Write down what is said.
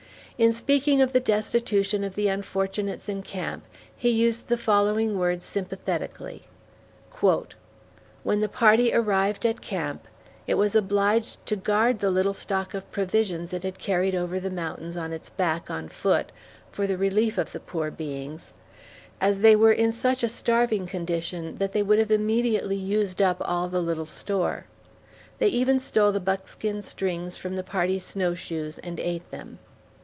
In speaking of the destitution of the unfortunates in camp, he used the following words sympathically: When the party arrived at camp, it was obliged to guard the little stock of provisions it had carried over the mountains on its back on foot, for the relief of the poor beings, as they were in such a starving condition that they would have immediately used up all the little store. They even stole the buckskin strings from the party's snowshoes and ate them.